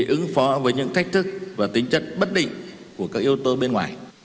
ứng phó với những thách thức và tính chất bất định của các yếu tố bên ngoài